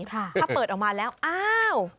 ถ้าเปิดออกมาแล้วอ้าว